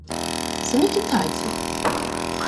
Самі китайці.